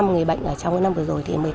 hai mươi năm người bệnh trong năm vừa rồi